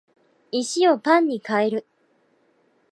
石をパンに変える